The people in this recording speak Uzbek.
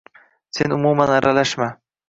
San umuman aralashma...